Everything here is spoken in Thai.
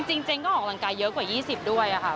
จริงก็ออกกำลังกายเยอะกว่า๒๐ด้วยค่ะ